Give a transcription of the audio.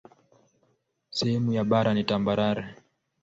Sehemu ya bara ni tambarare.